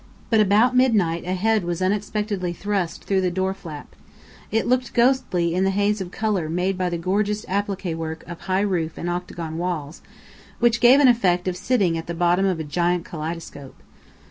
But about midnight a head was unexpectedly thrust through the door flap. It looked ghostly in the haze of colour made by the gorgeous appliqué work of high roof and octagon walls, which gave an effect of sitting at the bottom of a giant kaleidoscope.